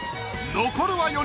残るは４人。